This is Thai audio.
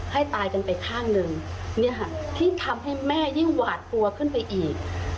ให้ตายกันไปข้างหนึ่งเนี่ยค่ะยิ่งทำให้แม่ยิ่งหวาดกลัวขึ้นไปอีก